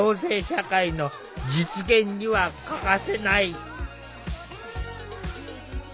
社会の実現には欠かせない。